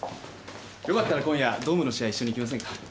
よかったら今夜ドームの試合一緒に行きませんか？